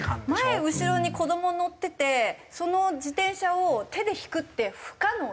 前後ろに子ども乗っててその自転車を手で引くって不可能です。